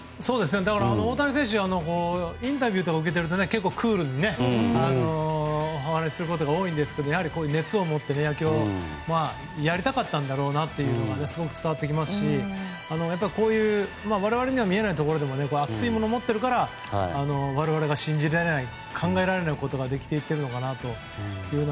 大谷選手はインタビューとか受けていると結構クールに話すことが多いんですけど熱を持って野球をやりたかったんだろうなってことがすごく伝わってきますし我々には見えないところで熱いものを持ってるから我々が信じられない考えられないことができていっているのかなと。